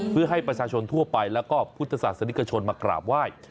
เพื่อให้ประชาชนทั่วไปแล้วก็พุทธศาสนิกชนมากราบไหว้